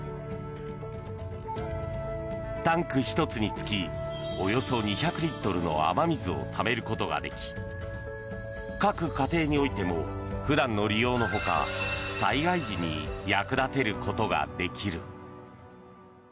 タンク１つにつきおよそ２００リットルの雨水をためることができ各家庭においても普段の利用の他災害時に役立てることができる。